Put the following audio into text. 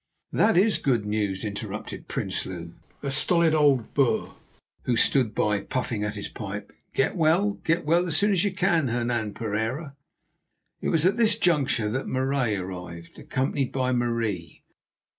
"That is good news," interrupted Prinsloo, a stolid old Boer, who stood by puffing at his pipe. "Get well, get well as soon as you can, Hernan Pereira." It was at this juncture that Marais arrived, accompanied by Marie.